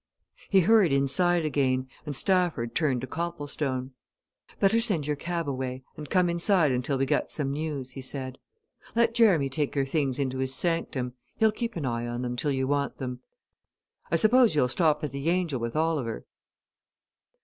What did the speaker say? He hurried inside again, and Stafford turned to Copplestone. "Better send your cab away and come inside until we get some news," he said. "Let Jerramy take your things into his sanctum he'll keep an eye on them till you want them I suppose you'll stop at the 'Angel' with Oliver.